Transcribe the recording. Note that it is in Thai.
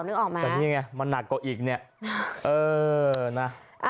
นึกออกมาแต่นี่ไงมันหนักกว่าอีกเนี่ยเออนะ